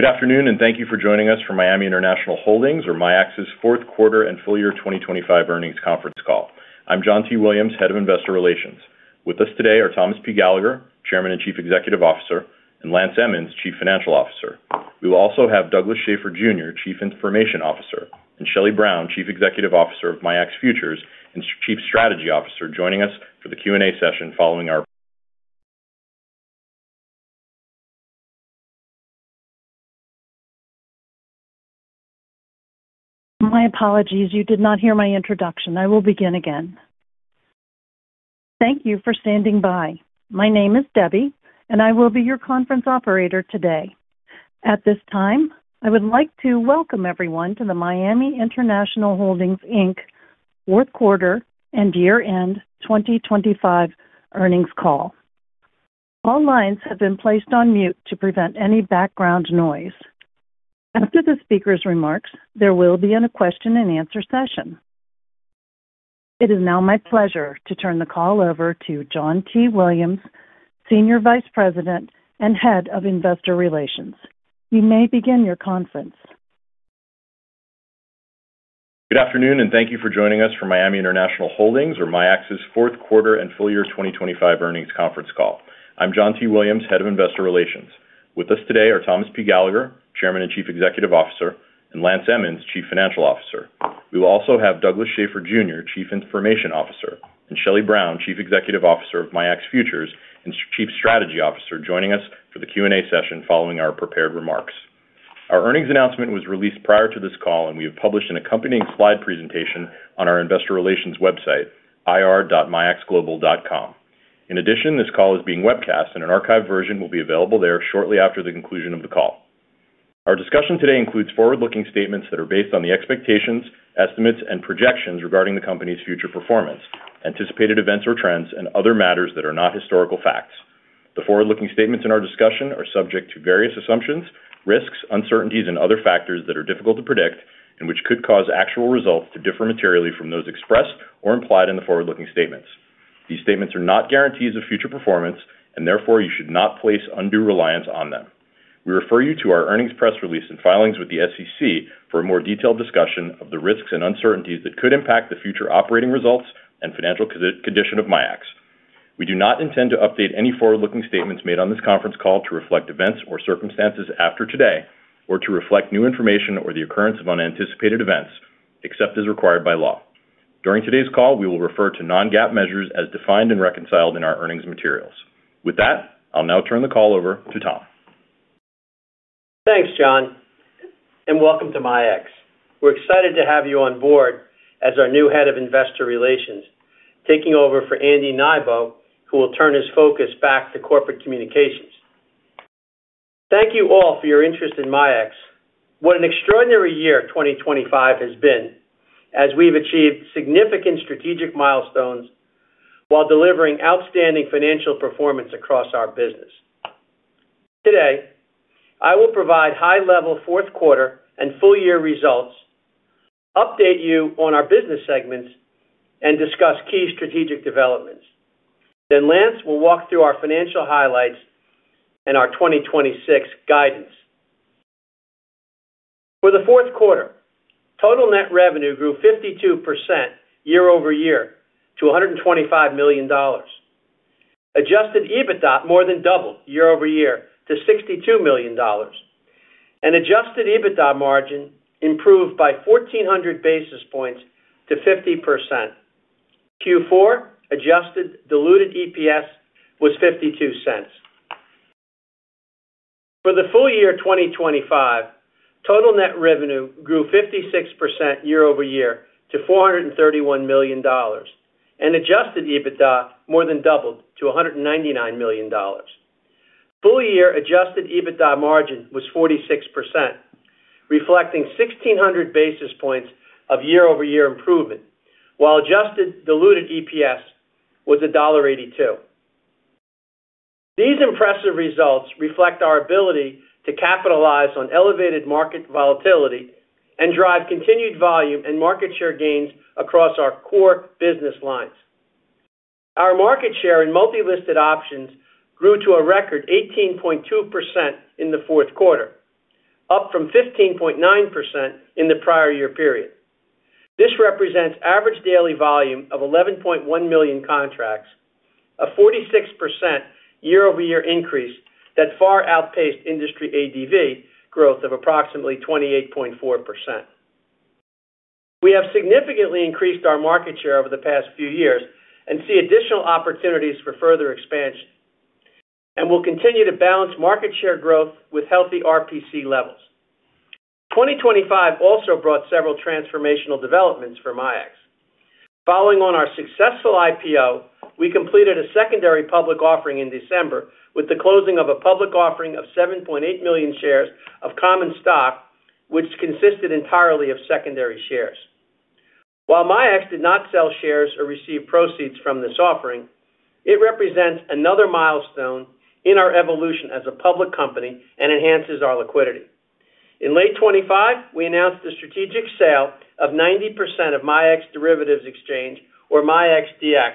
Good afternoon, and thank you for joining us for Miami International Holdings, or MIAX's Fourth Quarter and Full Year 2025 Earnings Conference Call. I'm John T. Williams, Head of Investor Relations. With us today are Thomas P. Gallagher, Chairman and Chief Executive Officer, and Lance Emmons, Chief Financial Officer. We will also have Douglas Schafer Jr., Chief Information Officer, and Shelly Brown, Chief Executive Officer of MIAX Futures and Chief Strategy Officer, joining us for the Q&A session. My apologies. You did not hear my introduction. I will begin again. Thank you for standing by. My name is Debbie. I will be your conference operator today. At this time, I would like to welcome everyone to the Miami International Holdings, Inc. fourth quarter and year-end 2025 earnings call. All lines have been placed on mute to prevent any background noise. After the speaker's remarks, there will be a question-and-answer session. It is now my pleasure to turn the call over to John T. Williams, Senior Vice President and Head of Investor Relations. You may begin your conference. Good afternoon. Thank you for joining us for Miami International Holdings, or MIAX's fourth quarter and full year 2025 earnings conference call. I'm John T. Williams, head of Investor Relations. With us today are Thomas P. Gallagher, Chairman and Chief Executive Officer, and Lance Emmons, Chief Financial Officer. We will also have Douglas M. Schafer Jr., Chief Information Officer, and Shelly Brown, Chief Executive Officer of MIAX Futures and Chief Strategy Officer, joining us for the Q&A session following our prepared remarks. Our earnings announcement was released prior to this call. We have published an accompanying slide presentation on our investor relations website, ir.miaxglobal.com. In addition, this call is being webcast, and an archived version will be available there shortly after the conclusion of the call. Our discussion today includes forward-looking statements that are based on the expectations, estimates, and projections regarding the company's future performance, anticipated events or trends, and other matters that are not historical facts. The forward-looking statements in our discussion are subject to various assumptions, risks, uncertainties, and other factors that are difficult to predict and which could cause actual results to differ materially from those expressed or implied in the forward-looking statements. These statements are not guarantees of future performance, and therefore you should not place undue reliance on them. We refer you to our earnings press release and filings with the SEC for a more detailed discussion of the risks and uncertainties that could impact the future operating results and financial condition of MIAX. We do not intend to update any forward-looking statements made on this conference call to reflect events or circumstances after today or to reflect new information or the occurrence of unanticipated events, except as required by law. During today's call, we will refer to non-GAAP measures as defined and reconciled in our earnings materials. With that, I'll now turn the call over to Tom. Thanks, John. Welcome to MIAX. We're excited to have you on board as our new Head of Investor Relations, taking over for Andy Nybo, who will turn his focus back to corporate communications. Thank you all for your interest in MIAX. What an extraordinary year 2025 has been, as we've achieved significant strategic milestones while delivering outstanding financial performance across our business. Today, I will provide high-level fourth quarter and full-year results, update you on our business segments, and discuss key strategic developments. Lance will walk through our financial highlights and our 2026 guidance. For the fourth quarter, total net revenue grew 52% YoY to $125 million. Adjusted EBITDA more than doubled YoY to $62 million, and Adjusted EBITDA margin improved by 1,400 basis points to 50%. Q4 Adjusted diluted EPS was $0.52. For the full year 2025, total net revenue grew 56% YoY to $431 million, and Adjusted EBITDA more than doubled to $199 million. Full-year Adjusted EBITDA margin was 46%, reflecting 1,600 basis points of YoY improvement, while Adjusted diluted EPS was $1.82. These impressive results reflect our ability to capitalize on elevated market volatility and drive continued volume and market share gains across our core business lines. Our market share in multi-listed options grew to a record 18.2% in the fourth quarter, up from 15.9% in the prior year period. This represents average daily volume of 11.1 million contracts, a 46% YoY increase that far outpaced industry ADV growth of approximately 28.4%. We have significantly increased our market share over the past few years and see additional opportunities for further expansion, and we'll continue to balance market share growth with healthy RPC levels. 2025 also brought several transformational developments for MIAX. Following on our successful IPO, we completed a secondary public offering in December with the closing of a public offering of 7.8 million shares of common stock, which consisted entirely of secondary shares. While MIAX did not sell shares or receive proceeds from this offering, it represents another milestone in our evolution as a public company and enhances our liquidity. In late 2025, we announced the strategic sale of 90% of MIAX Derivatives Exchange, or MIAXdx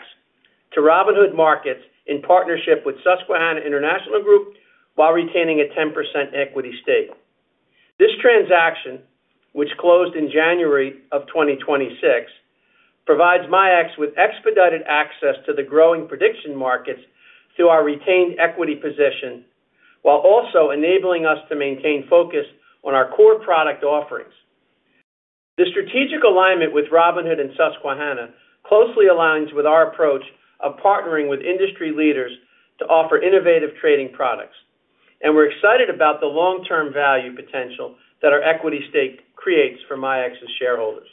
to Robinhood Markets in partnership with Susquehanna International Group, while retaining a 10% equity stake. This transaction, which closed in January of 2026, provides MIAX with expedited access to the growing prediction markets through our retained equity position, while also enabling us to maintain focus on our core product offerings. The strategic alignment with Robinhood and Susquehanna closely aligns with our approach of partnering with industry leaders to offer innovative trading products, and we're excited about the long-term value potential that our equity stake creates for MIAX's shareholders.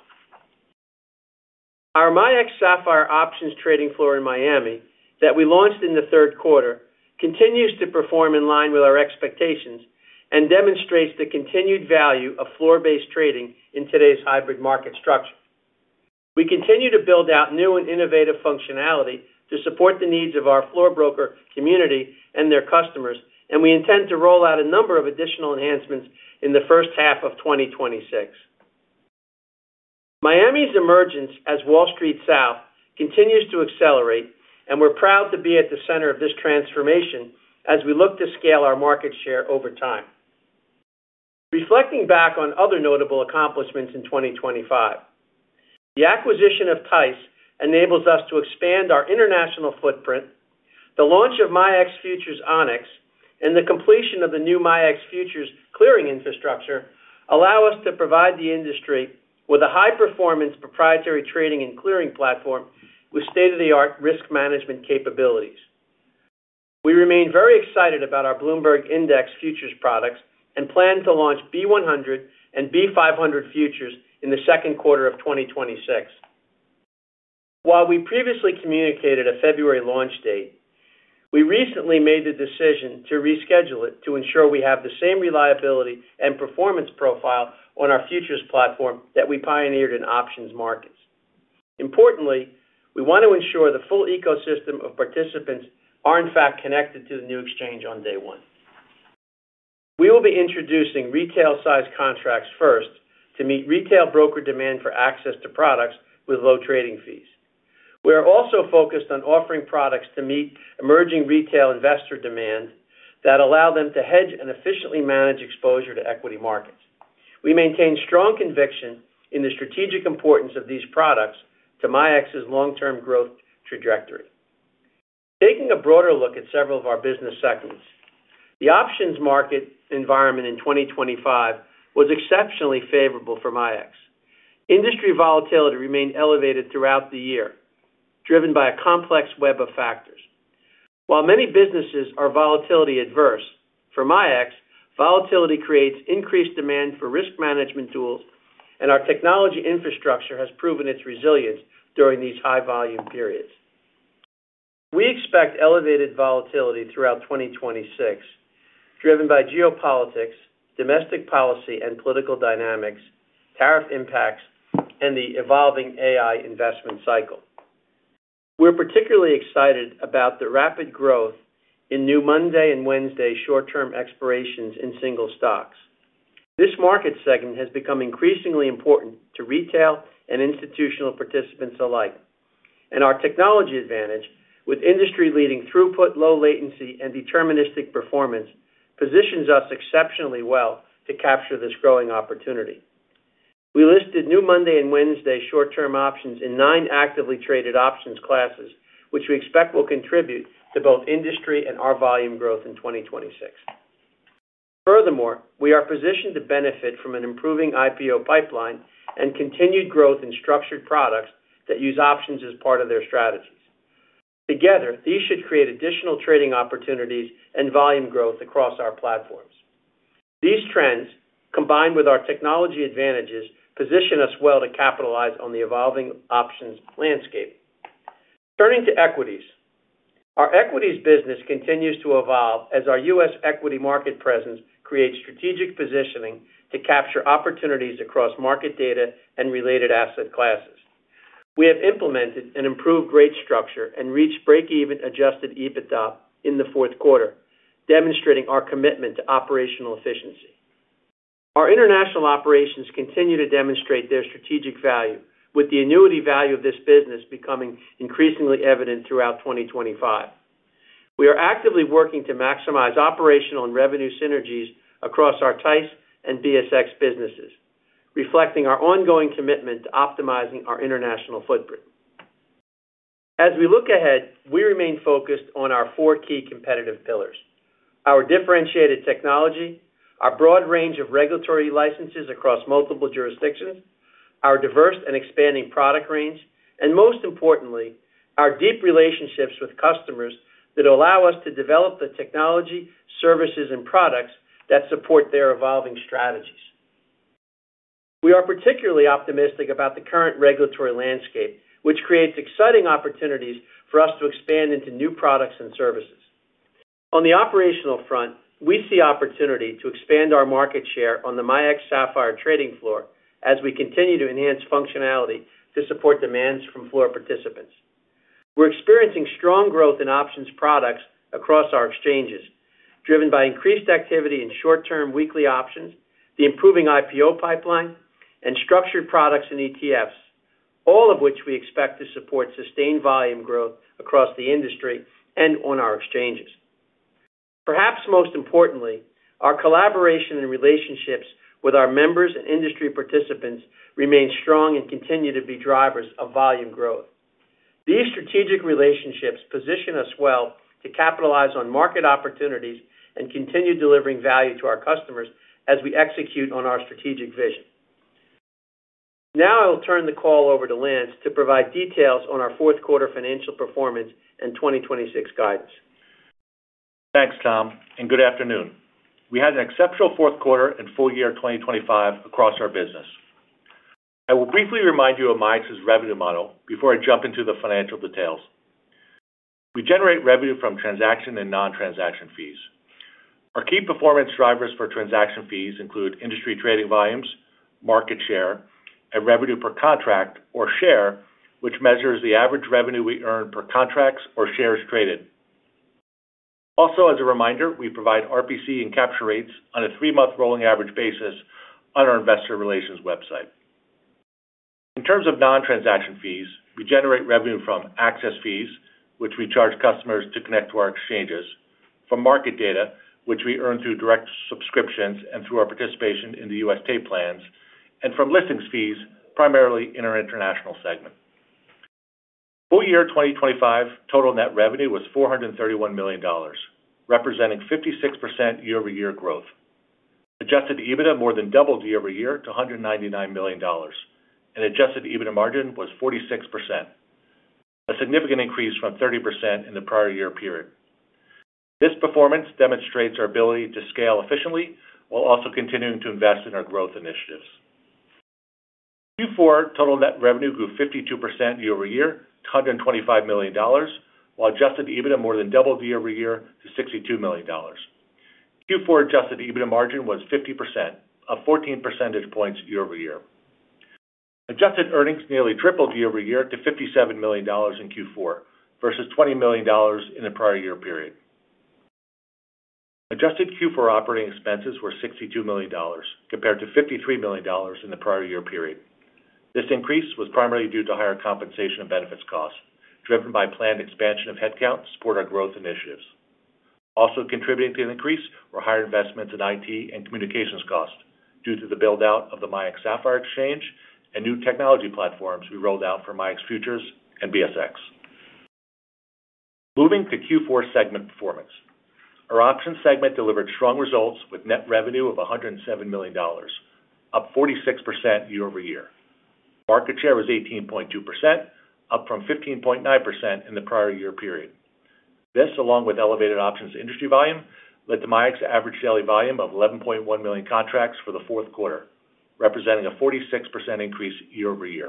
Our MIAX Sapphire options trading floor in Miami, that we launched in the third quarter, continues to perform in line with our expectations and demonstrates the continued value of floor-based trading in today's hybrid market structure. We continue to build out new and innovative functionality to support the needs of our floor broker community and their customers, and we intend to roll out a number of additional enhancements in the first half of 2026. Miami's emergence as Wall Street South continues to accelerate. We're proud to be at the center of this transformation as we look to scale our market share over time. Reflecting back on other notable accomplishments in 2025, the acquisition of TISE enables us to expand our international footprint. The launch of MIAX Futures Onyx, and the completion of the new MIAX Futures clearing infrastructure, allow us to provide the industry with a high-performance, proprietary trading and clearing platform with state-of-the-art risk management capabilities. We remain very excited about our Bloomberg Indices futures products and plan to launch B 100 and B 500 futures in the second quarter of 2026. While we previously communicated a February launch date, we recently made the decision to reschedule it to ensure we have the same reliability and performance profile on our futures platform that we pioneered in options markets. Importantly, we want to ensure the full ecosystem of participants are, in fact, connected to the new exchange on day one. We will be introducing retail-sized contracts first to meet retail broker demand for access to products with low trading fees. We are also focused on offering products to meet emerging retail investor demand that allow them to hedge and efficiently manage exposure to equity markets. We maintain strong conviction in the strategic importance of these products to MIAX's long-term growth trajectory. Taking a broader look at several of our business segments, the options market environment in 2025 was exceptionally favorable for MIAX. Industry volatility remained elevated throughout the year, driven by a complex web of factors. While many businesses are volatility adverse, for MIAX, volatility creates increased demand for risk management tools, and our technology infrastructure has proven its resilience during these high-volume periods. We expect elevated volatility throughout 2026, driven by geopolitics, domestic policy and political dynamics, tariff impacts, and the evolving AI investment cycle. We're particularly excited about the rapid growth in new Monday and Wednesday short-term expirations in single stocks. This market segment has become increasingly important to retail and institutional participants alike, and our technology advantage, with industry-leading throughput, low latency, and deterministic performance, positions us exceptionally well to capture this growing opportunity. We listed new Monday and Wednesday short-term options in nine actively traded options classes, which we expect will contribute to both industry and our volume growth in 2026. Furthermore, we are positioned to benefit from an improving IPO pipeline and continued growth in structured products that use options as part of their strategies. Together, these should create additional trading opportunities and volume growth across our platforms. These trends, combined with our technology advantages, position us well to capitalize on the evolving options landscape. Turning to equities. Our equities business continues to evolve as our U.S. equity market presence creates strategic positioning to capture opportunities across market data and related asset classes. We have implemented an improved rate structure and reached break-even Adjusted EBITDA in the fourth quarter, demonstrating our commitment to operational efficiency. Our international operations continue to demonstrate their strategic value, with the annuity value of this business becoming increasingly evident throughout 2025. We are actively working to maximize operational and revenue synergies across our TISE and BSX businesses, reflecting our ongoing commitment to optimizing our international footprint. We look ahead, we remain focused on our four key competitive pillars: our differentiated technology, our broad range of regulatory licenses across multiple jurisdictions, our diverse and expanding product range, and most importantly, our deep relationships with customers that allow us to develop the technology, services, and products that support their evolving strategies. We are particularly optimistic about the current regulatory landscape, which creates exciting opportunities for us to expand into new products and services. On the operational front, we see opportunity to expand our market share on the MIAX Sapphire trading floor as we continue to enhance functionality to support demands from floor participants. We're experiencing strong growth in options products across our exchanges. driven by increased activity in short-term weekly options, the improving IPO pipeline, and structured products and ETFs, all of which we expect to support sustained volume growth across the industry and on our exchanges. Perhaps most importantly, our collaboration and relationships with our members and industry participants remain strong and continue to be drivers of volume growth. These strategic relationships position us well to capitalize on market opportunities and continue delivering value to our customers as we execute on our strategic vision. I'll turn the call over to Lance to provide details on our fourth quarter financial performance and 2026 guidance. Thanks, Tom. Good afternoon. We had an exceptional fourth quarter and full year 2025 across our business. I will briefly remind you of MIAX's revenue model before I jump into the financial details. We generate revenue from transaction and non-transaction fees. Our key performance drivers for transaction fees include industry trading volumes, market share, and revenue per contract or share, which measures the average revenue we earn per contracts or shares traded. As a reminder, we provide RPC and capture rates on a three month rolling average basis on our investor relations website. In terms of non-transaction fees, we generate revenue from access fees, which we charge customers to connect to our exchanges, from market data, which we earn through direct subscriptions and through our participation in the U.S. tape plans, and from listings fees, primarily in our international segment. Full year 2025, total net revenue was $431 million, representing 56% YoY growth. Adjusted EBITDA more than doubled YoY to $199 million, and Adjusted EBITDA margin was 46%, a significant increase from 30% in the prior year period. This performance demonstrates our ability to scale efficiently while also continuing to invest in our growth initiatives. Q4 total net revenue grew 52% YoY to $125 million, while Adjusted EBITDA more than doubled YoY to $62 million. Q4 Adjusted EBITDA margin was 50%, up 14 percentage points YoY. Adjusted earnings nearly tripled YoY to $57 million in Q4 versus $20 million in the prior year period. Adjusted Q4 operating expenses were $62 million, compared to $53 million in the prior year period. This increase was primarily due to higher compensation and benefits costs, driven by planned expansion of headcount to support our growth initiatives. Also contributing to the increase were higher investments in IT and communications costs due to the build-out of the MIAX Sapphire Exchange and new technology platforms we rolled out for MIAX Futures and BSX. Moving to Q4 segment performance. Our options segment delivered strong results with net revenue of $107 million, up 46% YoY. Market share was 18.2%, up from 15.9% in the prior year period. This, along with elevated options industry volume, led to MIAX's average daily volume of 11.1 million contracts for the fourth quarter, representing a 46% increase YoY.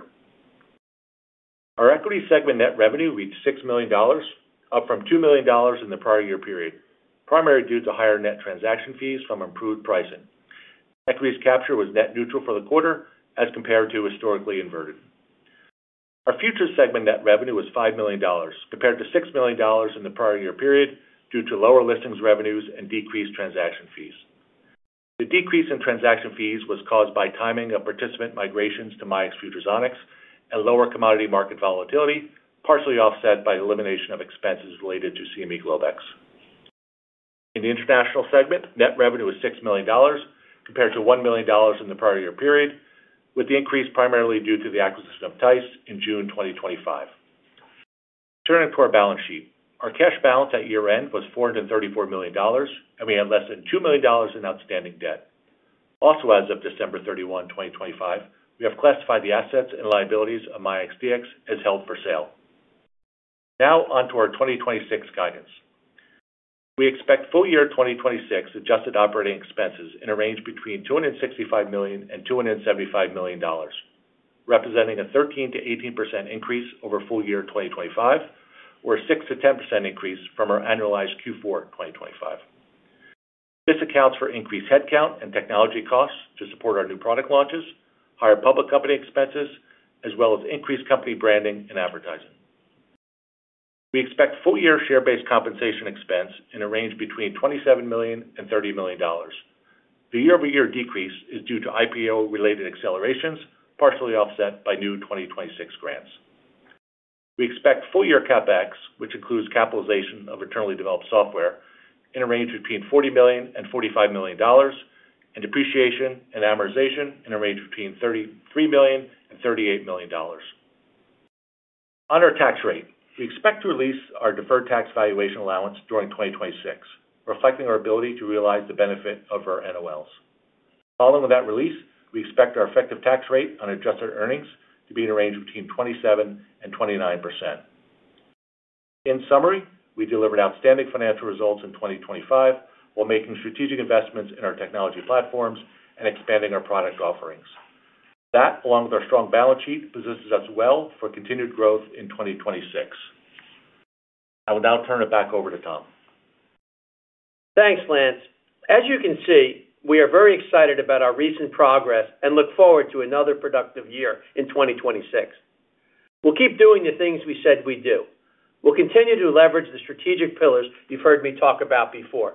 Our equity segment net revenue reached $6 million, up from $2 million in the prior year period, primarily due to higher net transaction fees from improved pricing. Equity's capture was net neutral for the quarter as compared to historically inverted. Our futures segment net revenue was $5 million, compared to $6 million in the prior year period, due to lower listings revenues and decreased transaction fees. The decrease in transaction fees was caused by timing of participant migrations to MIAX Futures Onyx and lower commodity market volatility, partially offset by the elimination of expenses related to CME Globex. In the international segment, net revenue was $6 million, compared to $1 million in the prior year period, with the increase primarily due to the acquisition of TISE in June 2025. Turning to our balance sheet. Our cash balance at year-end was $434 million, and we had less than $2 million in outstanding debt. As of December 31st, 2025, we have classified the assets and liabilities of MIAXdx as held for sale. On to our 2026 guidance. We expect full-year 2026 adjusted operating expenses in a range between $265 million and $275 million, representing a 13%-18% increase over full-year 2025, or a 6%-10% increase from our annualized Q4 2025. This accounts for increased headcount and technology costs to support our new product launches, higher public company expenses, as well as increased company branding and advertising. We expect full-year share-based compensation expense in a range between $27 million and $30 million. The YoY decrease is due to IPO-related accelerations, partially offset by new 2026 grants. We expect full-year CapEx, which includes capitalization of internally developed software, in a range between $40 million and $45 million, and depreciation and amortization in a range between $33 million and $38 million. On our tax rate, we expect to release our deferred tax valuation allowance during 2026, reflecting our ability to realize the benefit of our NOLs. Following that release, we expect our effective tax rate on Adjusted earnings to be in a range between 27% and 29%. In summary, we delivered outstanding financial results in 2025, while making strategic investments in our technology platforms and expanding our product offerings. That, along with our strong balance sheet, positions us well for continued growth in 2026. I will now turn it back over to Tom. Thanks, Lance. As you can see, we are very excited about our recent progress and look forward to another productive year in 2026. We'll keep doing the things we said we'd do. We'll continue to leverage the strategic pillars you've heard me talk about before.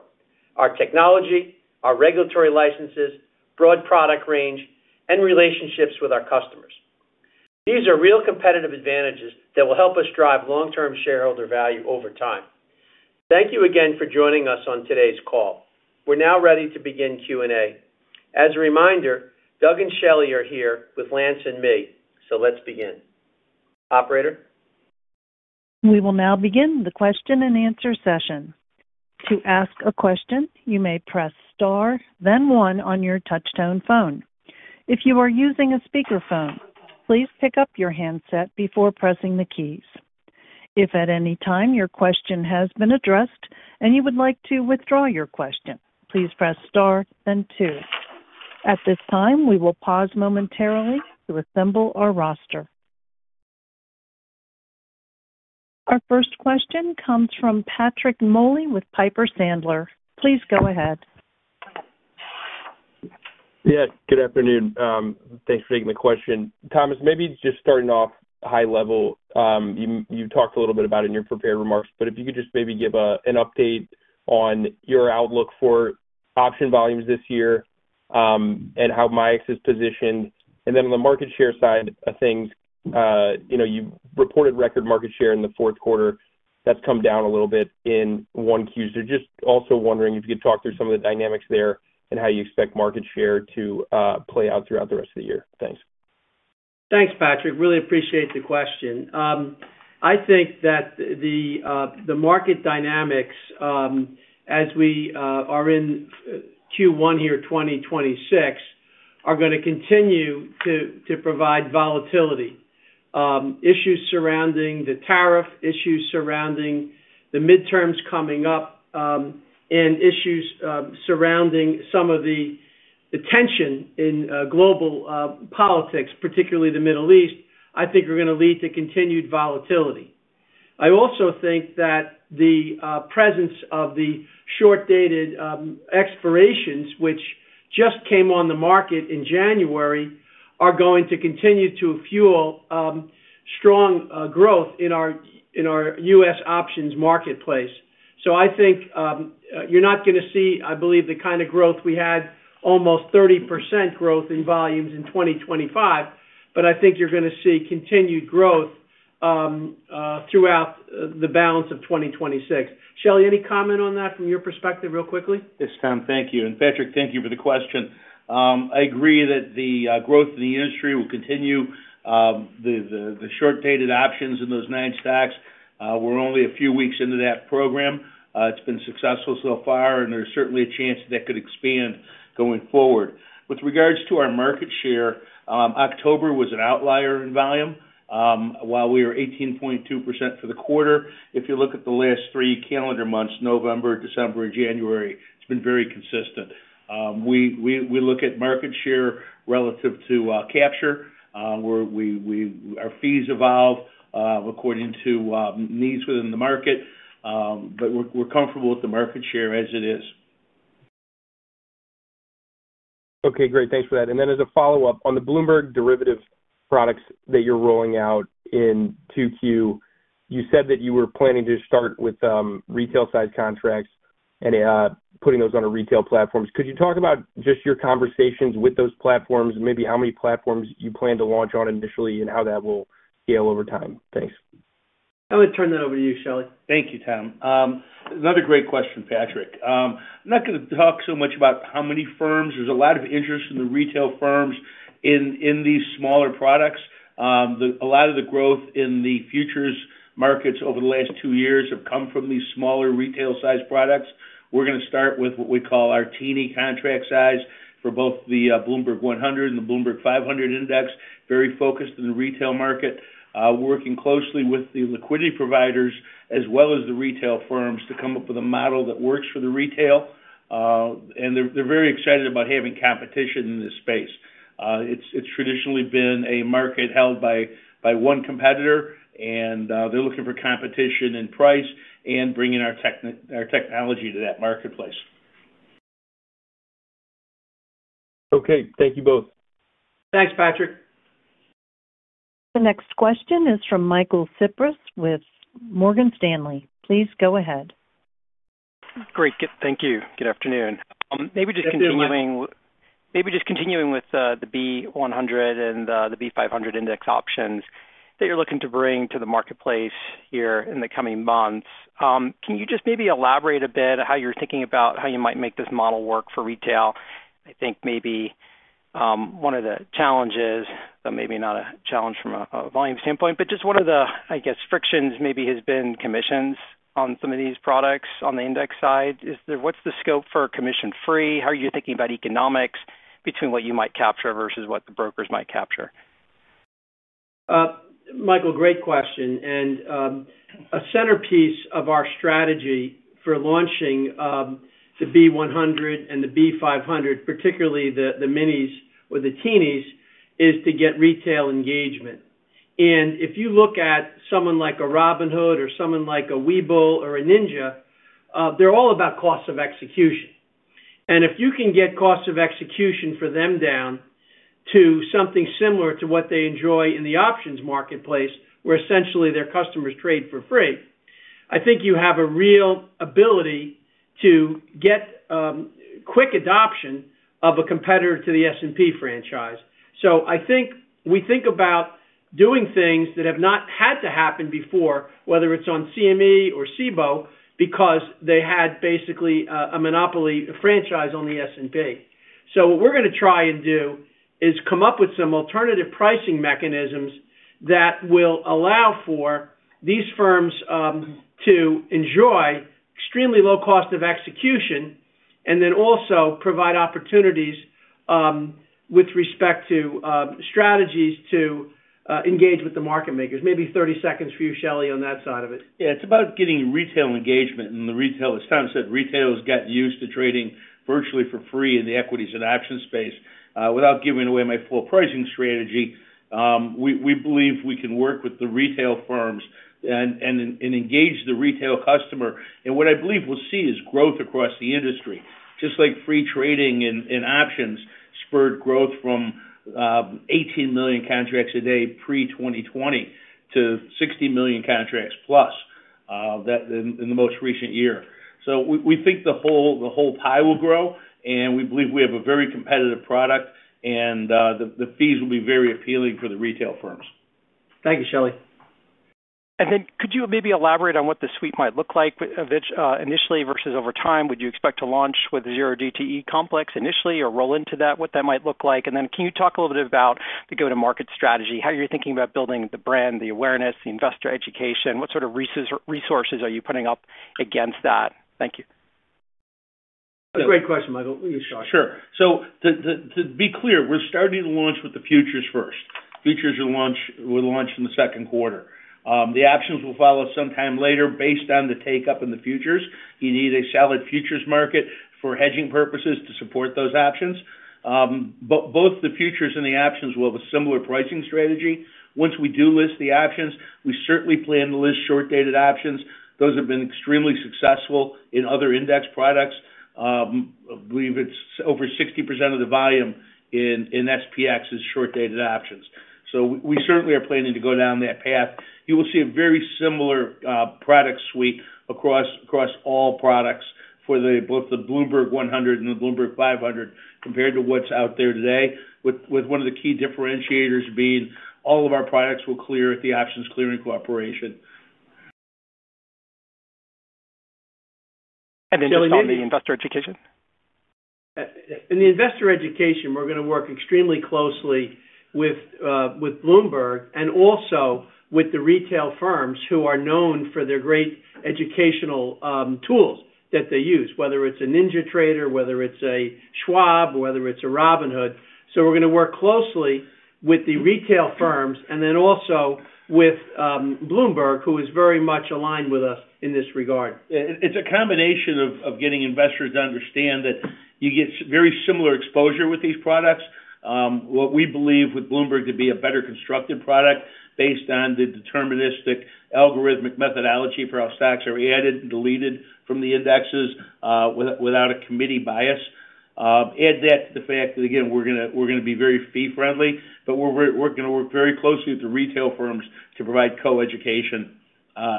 Our technology, our regulatory licenses, broad product range, and relationships with our customers. These are real competitive advantages that will help us drive long-term shareholder value over time. Thank you again for joining us on today's call. We're now ready to begin Q&A. As a reminder, Doug and Shelly are here with Lance and me. Let's begin. Operator? We will now begin the question-and-answer session. To ask a question, you may press star, then one on your touch-tone phone. If you are using a speakerphone, please pick up your handset before pressing the keys. If at any time your question has been addressed and you would like to withdraw your question, please press star then two. At this time, we will pause momentarily to assemble our roster. Our first question comes from Patrick Moley with Piper Sandler. Please go ahead. Yes, good afternoon. Thanks for taking the question. Thomas, maybe just starting off high level, you talked a little bit about in your prepared remarks, but if you could just maybe give an update on your outlook for option volumes this year, and how MIAX is positioned. On the market share side of things, you know, you've reported record market share in the fourth quarter. That's come down a little bit in Q1. Just also wondering if you could talk through some of the dynamics there and how you expect market share to play out throughout the rest of the year. Thanks. Thanks, Patrick. Really appreciate the question. I think that the market dynamics, as we are in Q1 year 2026, are gonna continue to provide volatility. Issues surrounding the tariff, issues surrounding the midterms coming up, and issues surrounding some of the tension in global politics, particularly the Middle East, I think are going to lead to continued volatility. I also think that the presence of the short-dated expirations, which just came on the market in January, are going to continue to fuel strong growth in our US options marketplace. I think, you're not going to see, I believe, the kind of growth we had, almost 30% growth in volumes in 2025, but I think you're going to see continued growth throughout the balance of 2026. Shelly, any comment on that from your perspective, real quickly? Yes, Tom, thank you. Patrick, thank you for the question. I agree that the growth in the industry will continue. The short-dated options in those 9 stocks, we're only a few weeks into that program. It's been successful so far, and there's certainly a chance that could expand going forward. With regards to our market share, October was an outlier in volume. While we were 18.2% for the quarter, if you look at the last three calendar months, November, December, January, it's been very consistent. We look at market share relative to capture. Our fees evolve according to needs within the market, but we're comfortable with the market share as it is. Okay, great. Thanks for that. As a follow-up, on the Bloomberg derivative products that you're rolling out in Q2, you said that you were planning to start with, retail-sized contracts and, putting those on a retail platforms. Could you talk about just your conversations with those platforms and maybe how many platforms you plan to launch on initially and how that will scale over time? Thanks. I'm going to turn that over to you, Shelly. Thank you, Tom. Another great question, Patrick. I'm not going to talk so much about how many firms. There's a lot of interest in the retail firms in these smaller products. A lot of the growth in the futures markets over the last two years have come from these smaller retail-sized products. We're going to start with what we call our teeny contract size for both the Bloomberg 100 Index and the Bloomberg 500 Index, very focused in the retail market. Working closely with the liquidity providers, as well as the retail firms, to come up with a model that works for the retail. They're very excited about having competition in this space. It's traditionally been a market held by one competitor, and they're looking for competition in price and bringing our technology to that marketplace. Okay. Thank you both. Thanks, Patrick. The next question is from Michael Cyprys with Morgan Stanley. Please go ahead. Great. Thank you. Good afternoon. Maybe just continuing with the B 100 and the B 500 index options that you're looking to bring to the marketplace here in the coming months. Can you just maybe elaborate a bit on how you're thinking about how you might make this model work for retail? I think maybe one of the challenges, but maybe not a challenge from a volume standpoint, but just one of the, I guess, frictions maybe has been commissions on some of these products on the index side. What's the scope for commission free? How are you thinking about economics between what you might capture versus what the brokers might capture? Michael, great question. A centerpiece of our strategy for launching the Bloomberg 100 Index and the Bloomberg 500 Index, particularly the minis or the teenies, is to get retail engagement. If you look at someone like a Robinhood Markets, Inc. or someone like a Webull or a NinjaTrader, they're all about cost of execution. If you can get cost of execution for them down to something similar to what they enjoy in the options marketplace, where essentially their customers trade for free, I think you have a real ability to get quick adoption of a competitor to the S&P franchise. I think we think about doing things that have not had to happen before, whether it's on CME Group or Cboe, because they had basically a monopoly franchise on the S&P. What we're gonna try and do is come up with some alternative pricing mechanisms that will allow for these firms, to enjoy extremely low cost of execution, and then also provide opportunities, with respect to, strategies to, engage with the market makers. Maybe 30 seconds for you, Shelly, on that side of it. Yeah, it's about getting retail engagement. As Tom said, retail has gotten used to trading virtually for free in the equities and options space. Without giving away my full pricing strategy, we believe we can work with the retail firms and engage the retail customer. What I believe we'll see is growth across the industry. Just like free trading in options spurred growth from 18 million contracts a day pre-2020 to 60 million contracts plus that in the most recent year. We think the whole pie will grow, and we believe we have a very competitive product, and the fees will be very appealing for the retail firms. Thank you, Shelly. Could you maybe elaborate on what the suite might look like initially versus over time? Would you expect to launch with a zero DTE complex initially or roll into that? What that might look like. Can you talk a little bit about the go-to-market strategy, how you're thinking about building the brand, the awareness, the investor education? What sort of resources are you putting up against that? Thank you. That's a great question, Michael. Please, Shelly. Sure. To be clear, we're starting to launch with the futures first. Futures will launch in the second quarter. The options will follow sometime later based on the take-up in the futures. You need a solid futures market for hedging purposes to support those options. Both the futures and the options will have a similar pricing strategy. Once we do list the options, we certainly plan to list short-dated options. Those have been extremely successful in other index products. I believe it's over 60% of the volume in SPX is short-dated options. We certainly are planning to go down that path. You will see a very similar product suite across all products both the Bloomberg 100 and the Bloomberg 500, compared to what's out there today, with one of the key differentiators being all of our products will clear at the Options Clearing Corporation. Just on the investor education? In the investor education, we're going to work extremely closely with Bloomberg and also with the retail firms who are known for their great educational, tools that they use, whether it's a NinjaTrader, whether it's a Schwab, or whether it's a Robinhood. We're going to work closely with the retail firms and then also with Bloomberg, who is very much aligned with us in this regard. Yeah, it's a combination of getting investors to understand that you get very similar exposure with these products. What we believe with Bloomberg to be a better constructed product based on the deterministic algorithmic methodology for how stocks are added and deleted from the indexes, without a committee bias. Add that to the fact that, again, we're gonna be very fee friendly, but we're gonna work very closely with the retail firms to provide co-education,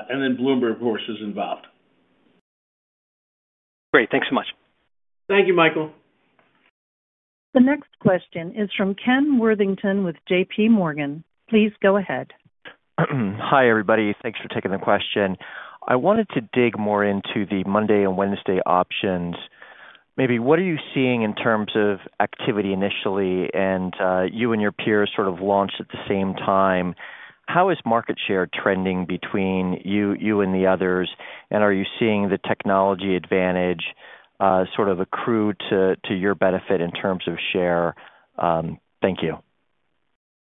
and then Bloomberg, of course, is involved. Great. Thanks so much. Thank you, Michael. The next question is from Kenneth Worthington with J.P. Morgan. Please go ahead. Hi, everybody. Thanks for taking the question. I wanted to dig more into the Monday and Wednesday options. Maybe what are you seeing in terms of activity initially, and you and your peers sort of launched at the same time. How is market share trending between you and the others? Are you seeing the technology advantage sort of accrue to your benefit in terms of share? Thank you.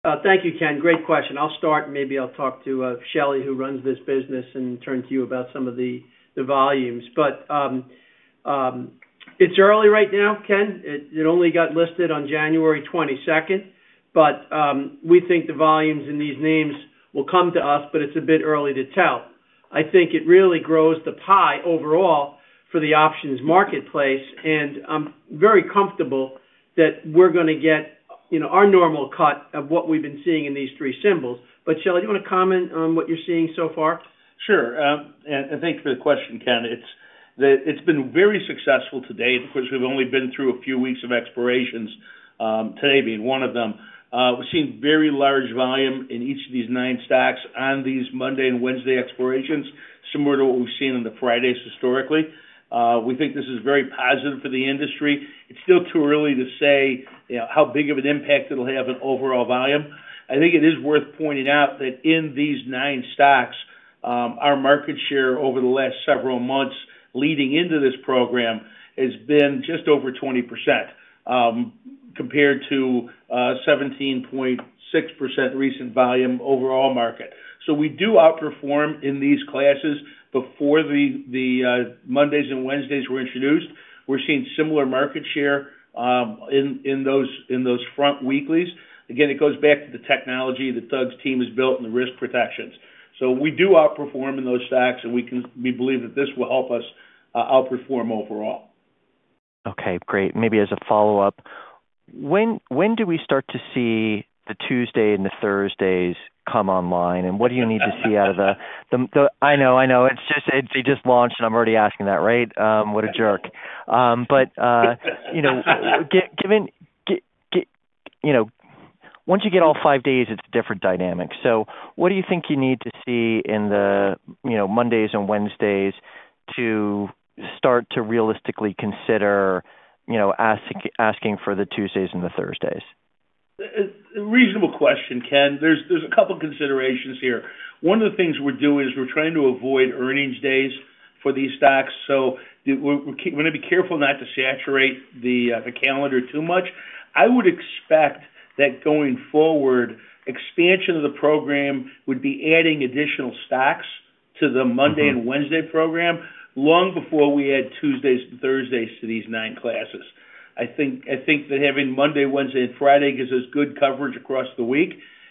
Thank you, Ken. Great question. I'll start. Maybe I'll talk to Shelly, who runs this business, and turn to you about some of the volumes. It's early right now, Ken. It only got listed on January 22nd. We think the volumes in these names will come to us, but it's a bit early to tell. I think it really grows the pie overall for the options marketplace. I'm very comfortable that we're gonna get, you know, our normal cut of what we've been seeing in these three symbols. Shelly, do you want to comment on what you're seeing so far? Sure. Thank you for the question, Ken. It's been very successful to date, of course, we've only been through a few weeks of expirations, today being one of them. We've seen very large volume in each of these nine stocks on these Monday and Wednesday expirations, similar to what we've seen on the Fridays historically. We think this is very positive for the industry. It's still too early to say, you know, how big of an impact it'll have on overall volume. I think it is worth pointing out that in these nine stocks, our market share over the last several months leading into this program has been just over 20%, compared to 17.6% recent volume overall market. We do outperform in these classes before the Mondays and Wednesdays were introduced. We're seeing similar market share in those front weeklies. It goes back to the technology the Doug's team has built and the risk protections. We do outperform in those stacks, and we believe that this will help us outperform overall. Okay, great. Maybe as a follow-up, when do we start to see the Tuesday and the Thursdays come online? What do you need to see. I know, I know. It's just, it just launched, and I'm already asking that, right? What a jerk. But, you know, given, you know, once you get all five days, it's a different dynamic. What do you think you need to see in the, you know, Mondays and Wednesdays to start to realistically consider, you know, asking for the Tuesdays and the Thursdays? Reasonable question, Ken. There's a couple considerations here. One of the things we're doing is we're trying to avoid earnings days for these stocks, so we're going to be careful not to saturate the calendar too much. I would expect that going forward, expansion of the program would be adding additional stocks to the Monday and Wednesday program long before we add Tuesdays and Thursdays to these nine classes. I think that having Monday, Wednesday, and Friday gives us good coverage across the week.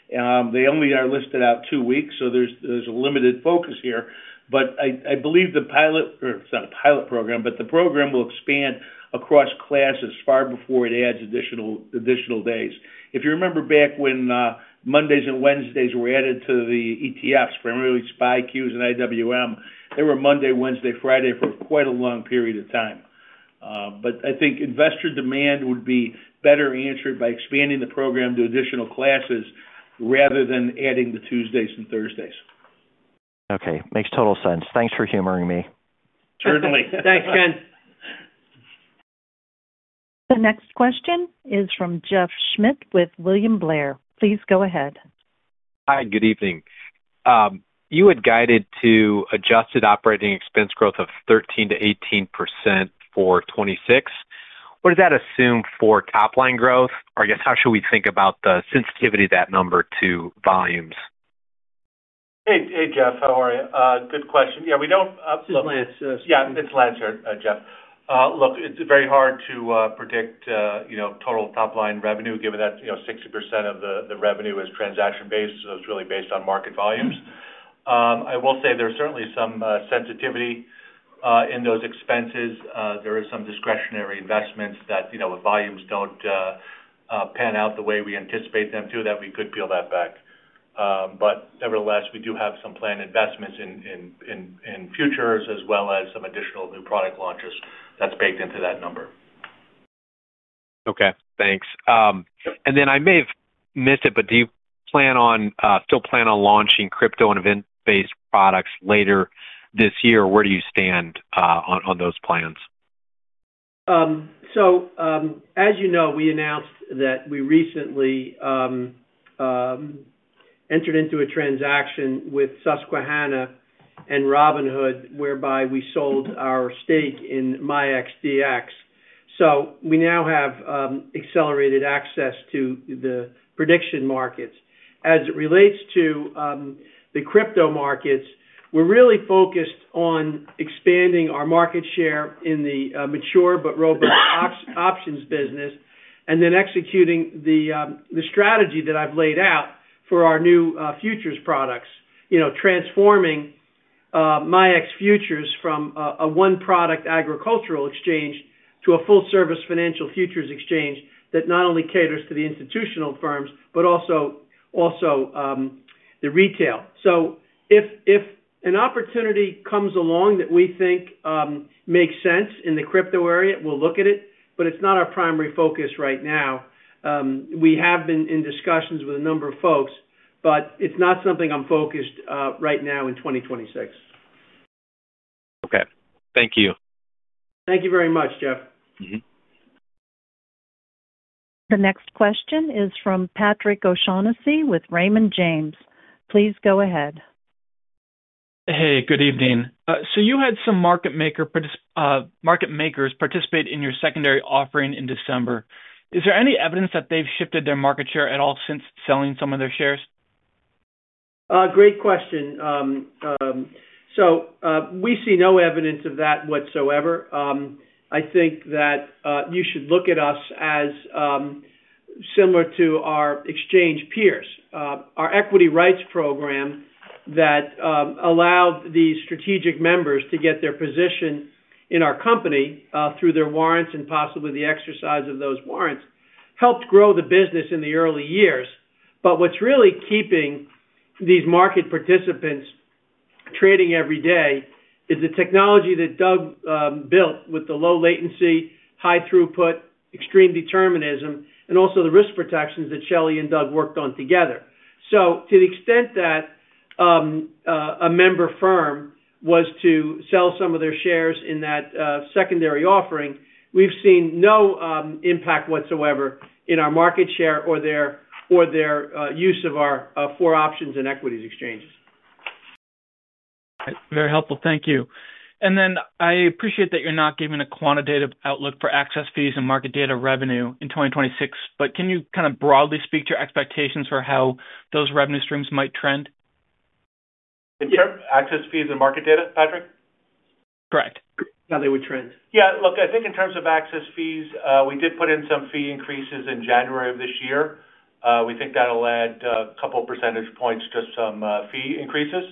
They only are listed out two weeks, so there's a limited focus here. I believe the pilot, or it's not a pilot program, but the program will expand across classes far before it adds additional days. If you remember back when Mondays and Wednesdays were added to the ETFs, primarily SPY, QQQ and IWM, they were Monday, Wednesday, Friday for quite a long period of time. I think investor demand would be better answered by expanding the program to additional classes rather than adding the Tuesdays and Thursdays. Okay, makes total sense. Thanks for humoring me. Certainly. Thanks, Ken. The next question is from Jeff Schmitt with William Blair. Please go ahead. Hi, good evening. You had guided to Adjusted operating expense growth of 13%-18% for 2026. What does that assume for top-line growth? I guess, how should we think about the sensitivity of that number to volumes? Hey, Jeff. How are you? Good question. Yeah, we don't. Yeah, let me answer. Yeah, let's answer it, Jeff. Look, it's very hard to, you know, predict, you know, total top-line revenue, given that, you know, 60% of the revenue is transaction-based, so it's really based on market volumes. I will say there's certainly some sensitivity in those expenses. There is some discretionary investments that, you know, if volumes don't pan out the way we anticipate them to, that we could peel that back. Nevertheless, we do have some planned investments in futures as well as some additional new product launches that's baked into that number. Okay, thanks. I may have missed it, but do you plan on still plan on launching crypto and event-based products later this year? Where do you stand on those plans? As you know, we announced that we recently entered into a transaction with Susquehanna and Robinhood, whereby we sold our stake in MIAXdx. We now have accelerated access to the prediction markets. As it relates to the crypto markets, we're really focused on expanding our market share in the mature but robust options business, and then executing the strategy that I've laid out for our new futures products. You know, transforming MIAX Futures from a one-product agricultural exchange to a full-service financial futures exchange that not only caters to the institutional firms, but also the retail. If an opportunity comes along that we think makes sense in the crypto area, we'll look at it, but it's not our primary focus right now. We have been in discussions with a number of folks, but it's not something I'm focused, right now in 2026. Okay. Thank you. Thank you very much, Jeff. Mm-hmm. The next question is from Patrick O'Shaughnessy with Raymond James. Please go ahead. Hey, good evening. You had some market makers participate in your secondary offering in December. Is there any evidence that they've shifted their market share at all since selling some of their shares? Great question. We see no evidence of that whatsoever. I think that you should look at us as similar to our exchange peers. Our equity rights program that allowed these strategic members to get their position in our company through their warrants and possibly the exercise of those warrants, helped grow the business in the early years. But what's really keeping these market participants trading every day is the technology that Doug built with the low latency, high throughput, extreme determinism, and also the risk protections that Shelly and Doug worked on together. To the extent that, a member firm was to sell some of their shares in that secondary offering, we've seen no impact whatsoever in our market share or their use of our four options and equities exchanges. Very helpful. Thank you. I appreciate that you're not giving a quantitative outlook for access fees and market data revenue in 2026, but can you kind of broadly speak to your expectations for how those revenue streams might trend? Access fees and market data, Patrick? Correct. How they would trend. Yeah, look, I think in terms of access fees, we did put in some fee increases in January of this year. We think that'll add a couple percentage points to some, fee increases.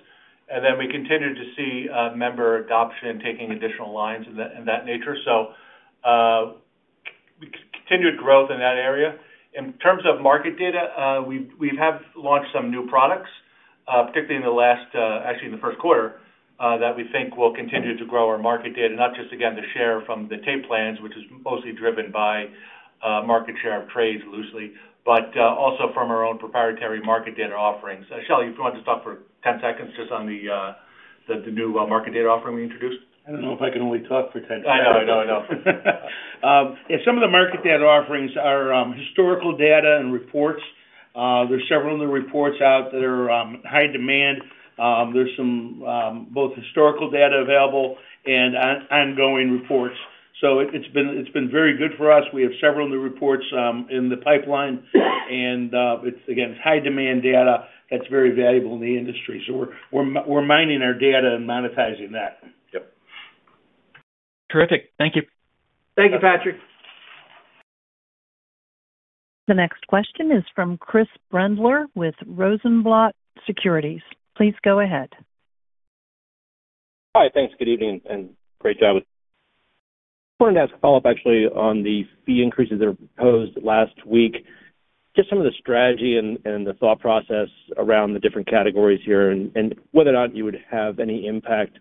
We continued to see member adoption, taking additional lines in that, in that nature. We continued growth in that area. In terms of market data, we have launched some new products, particularly in the last, actually in the First Quarter, that we think will continue to grow our market data, not just, again, the share from the tape plans, which is mostly driven by market share of trades loosely, but also from our own proprietary market data offerings. Shelly Brown, you want to talk for 10 seconds just on the new market data offering we introduced? I don't know if I can only talk for 10 seconds. I know. I know, I know. Some of the market data offerings are historical data and reports. There's several of the reports out that are high demand. There's some both historical data available and ongoing reports. It's been very good for us. We have several new reports in the pipeline. It's, again, it's high demand data that's very valuable in the industry. We're mining our data and monetizing that. Yep. Terrific. Thank you. Thank you, Patrick. The next question is from Chris Brendler with Rosenblatt Securities. Please go ahead. Hi. Thanks. Good evening and great job. I wanted to ask a follow-up, actually, on the fee increases that were proposed last week. Just some of the strategy and the thought process around the different categories here, and whether or not you would have any impact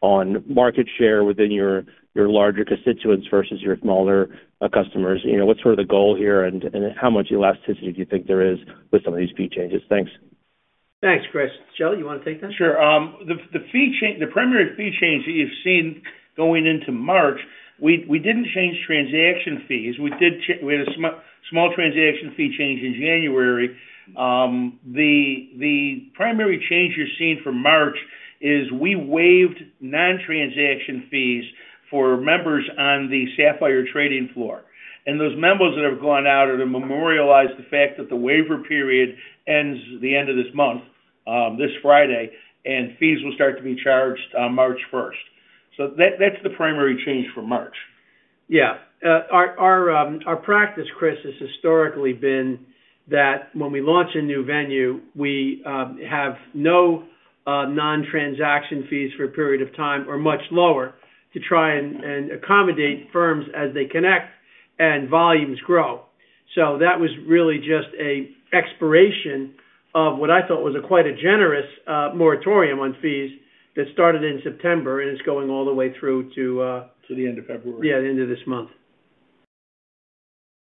on market share within your larger constituents versus your smaller customers. You know, what's sort of the goal here, and how much elasticity do you think there is with some of these fee changes? Thanks. Thanks, Chris. Shelly, you want to take that? Sure. The primary fee change that you've seen going into March, we didn't change transaction fees. We had a small transaction fee change in January. The primary change you're seeing for March is we waived non-transaction fees for members on the Sapphire trading floor. Those members that have gone out have memorialized the fact that the waiver period ends the end of this month, this Friday, and fees will start to be charged on March first. That's the primary change for March. Yeah. Our practice, Chris, has historically been that when we launch a new venue, we have no non-transaction fees for a period of time or much lower, to try and accommodate firms as they connect and volumes grow. That was really just an expiration of what I thought was a quite a generous moratorium on fees that started in September and is going all the way through to. To the end of February. Yeah, the end of this month.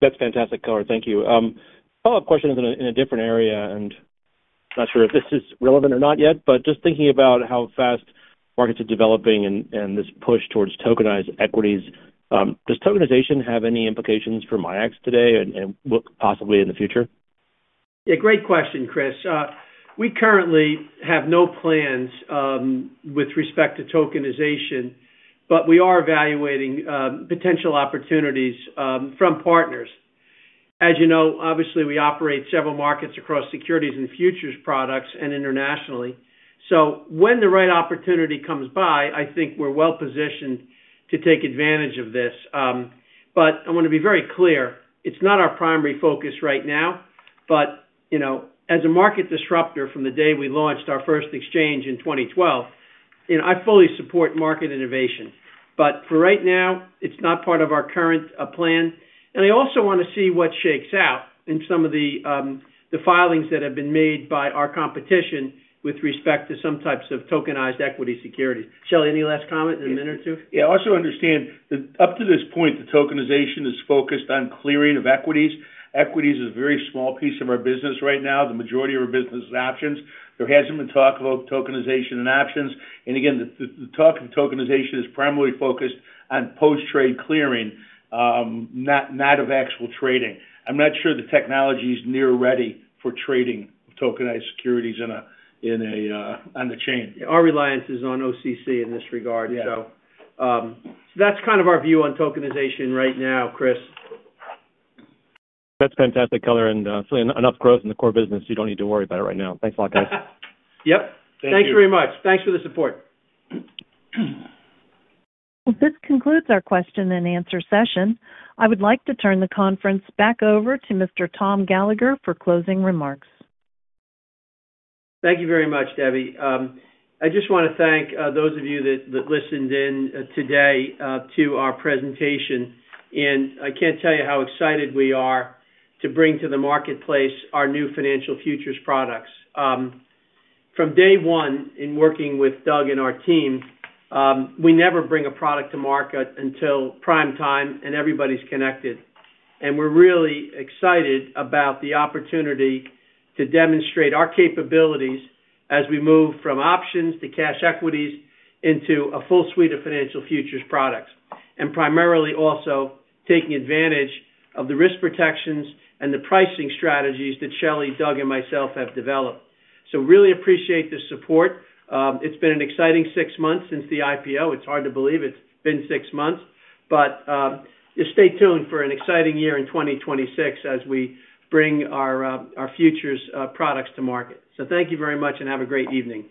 That's fantastic, Galla. Thank you. Follow-up question is in a different area, and not sure if this is relevant or not yet, but just thinking about how fast markets are developing and this push towards tokenized equities, does tokenization have any implications for MIAX today and possibly in the future? Yeah, great question, Chris. We currently have no plans with respect to tokenization, but we are evaluating potential opportunities from partners. As you know, obviously, we operate several markets across securities and futures products and internationally. When the right opportunity comes by, I think we're well-positioned to take advantage of this. I want to be very clear, it's not our primary focus right now, but, you know, as a market disruptor from the day we launched our first exchange in 2012, you know, I fully support market innovation. For right now, it's not part of our current plan. I also want to see what shakes out in some of the filings that have been made by our competition with respect to some types of tokenized equity securities. Shelly, any last comment in a minute or two? Yeah. Also understand that up to this point, the tokenization is focused on clearing of equities. Equities is a very small piece of our business right now. The majority of our business is options. There hasn't been talk about tokenization and options. Again, the talk of tokenization is primarily focused on post-trade clearing, not of actual trading. I'm not sure the technology is near ready for trading tokenized securities in a on the chain. Our reliance is on OCC in this regard. Yeah. That's kind of our view on tokenization right now, Chris. That's fantastic, Galla, and certainly enough growth in the core business. You don't need to worry about it right now. Thanks a lot, guys. Yep. Thank you. Thanks very much. Thanks for the support. This concludes our question and answer session. I would like to turn the conference back over to Mr. Tom Gallagher for closing remarks. Thank you very much, Debbie. I just want to thank those of you that listened in today to our presentation. I can't tell you how excited we are to bring to the marketplace our new financial futures products. From day 1, in working with Doug and our team, we never bring a product to market until prime time and everybody's connected. We're really excited about the opportunity to demonstrate our capabilities as we move from options to cash equities into a full suite of financial futures products, and primarily also taking advantage of the risk protections and the pricing strategies that Shelly, Doug, and myself have developed. Really appreciate the support. It's been an exciting 6 months since the IPO. It's hard to believe it's been 6 months, but, stay tuned for an exciting year in 2026 as we bring our futures, products to market. Thank you very much and have a great evening.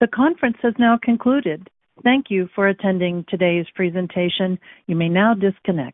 The conference has now concluded. Thank you for attending today's presentation. You may now disconnect.